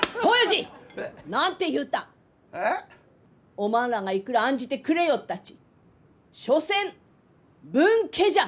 おまんらがいくら案じてくれよったち所詮分家じゃ！